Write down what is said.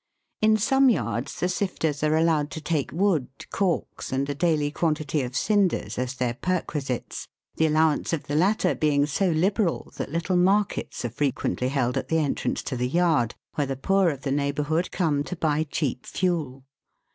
In some yards the sifters are allowed to take wood, corks, and a daily quantity of cinders, as their perquisites, the allowance of the latter being so liberal that little markets are frequently held at the entrance to the yard, where the poor of the neighbourhood come to buy cheap fuel.